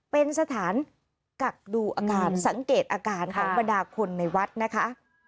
เป็นสถานกักดูอาการสังเกตอาการของบรรดาคนในวัดนะคะ